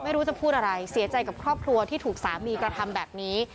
ไม่รู้จะพูดอะไรเสียใจกับครอบครัวที่ถูกสามีกระทำแบบนี้